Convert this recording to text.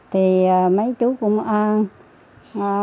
thì mấy chú cũng khó khăn